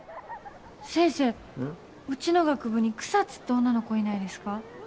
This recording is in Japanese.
先生うちの学部に草津って女の子いないですか？